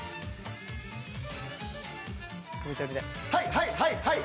はいはいはい。